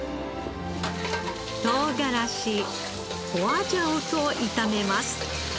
唐辛子花椒と炒めます。